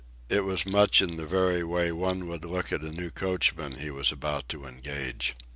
It was much in the very way one would look at a new coachman he was about to engage.